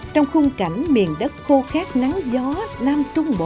trong khung cảnh miền đất khô khát nắng gió nam trung bộ